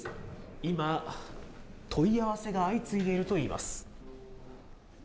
今、問い合わせが相次いでいるといいます。